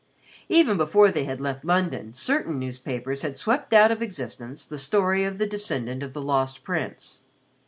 Even before they had left London, certain newspapers had swept out of existence the story of the descendant of the Lost Prince.